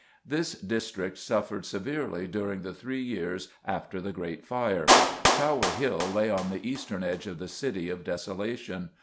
This district suffered severely during the three years after the Great Fire. Tower Hill lay on the eastern edge of the city of desolation.